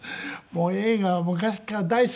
映画は昔から大好きでしてね。